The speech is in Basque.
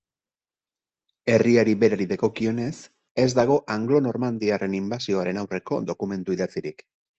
Herriari berari dagokionez, ez dago anglo-normandiarren inbasioaren aurreko dokumentu idatzirik.